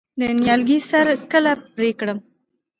د نیالګي سر کله پرې کړم؟